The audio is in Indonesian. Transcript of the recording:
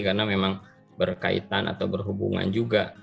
karena memang berkaitan atau berhubungan juga